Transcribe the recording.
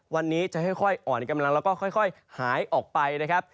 วันนี้จะค่อยอ่อนกำลังแล้วก็ค่อยหายออกไปนะครับ